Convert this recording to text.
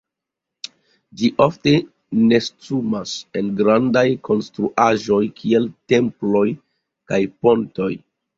Ĝi ofte nestumas en grandaj konstruaĵoj kiel temploj kaj pontoj.